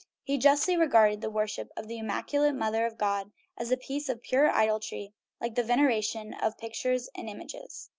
He justly regarded the worship of the immacu late mother of God as a piece of pure idolatry, like the veneration of pictures and images.